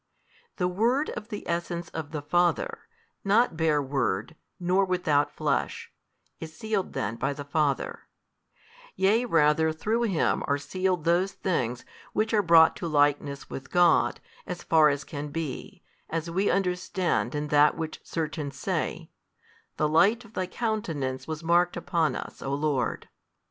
The Word of the Essence of the Father, not bare Word, nor without Flesh, is sealed then by the Father, yea rather through Him are sealed those things which are brought to likeness with God, as far as can be, as we understand in that which certain say, The light of Thy Countenance was marked upon us, O Lord.